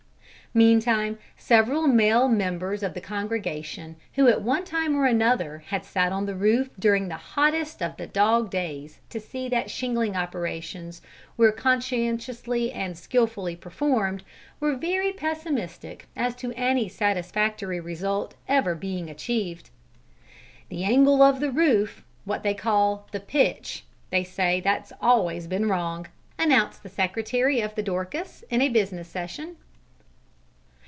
Meantime several male members of the congregation, who at one time or another had sat on the roof during the hottest of the dog days to see that shingling operations we're conscientiously and skilfully performed, were very pessimistic as to any satisfactory result ever being achieved. "The angle of the roof what they call the 'pitch' they say that that's always been wrong," announced the secretary of the Dorcas in a business session.